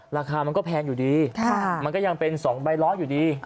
ราคามันก็แพงอยู่ดีมันก็ยังเป็น๒ใบล้ออยู่ดี